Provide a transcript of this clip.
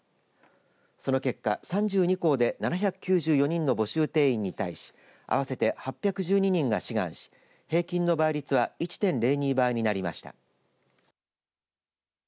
その結果３２校で７９４人の募集定員に対し合わせて８１２人が志願し平均の倍率は１．０２倍になりました。